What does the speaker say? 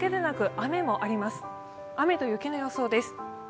雨と雪の予想です。